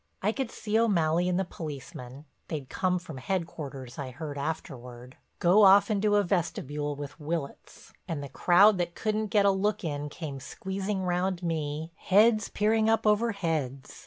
I could see O'Malley and the policeman (they'd come from headquarters I heard afterward) go off into a vestibule with Willitts and the crowd that couldn't get a look in came squeezing round me, heads peering up over heads.